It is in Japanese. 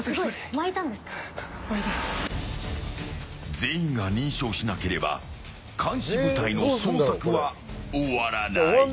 全員が認証しなければ監視部隊の捜索は終わらない。